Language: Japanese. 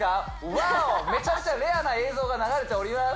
ワーオめちゃめちゃレアな映像が流れております